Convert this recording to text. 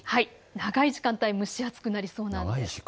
長い時間帯、蒸し暑くなりそうなんです。